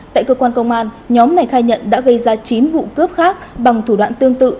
tại cơ quan công an nhóm này khai nhận đã gây ra chín vụ cướp khác bằng thủ đoạn tương tự